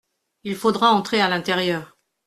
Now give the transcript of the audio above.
Il faudra entrer à l’intérieur.